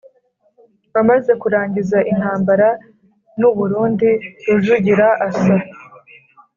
Amaze kurangiza intambara n u Burundi Rujugira asa